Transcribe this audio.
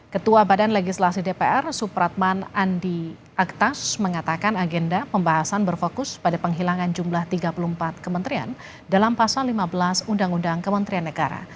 ketua badan legislasi dpr supratman andi aktas mengatakan agenda pembahasan berfokus pada penghilangan jumlah tiga puluh empat kementerian dalam pasal lima belas undang undang kementerian negara